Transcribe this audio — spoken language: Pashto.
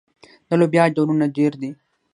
د لوبیا ډولونه ډیر دي.